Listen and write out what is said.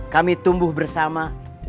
kami tumbuh bersama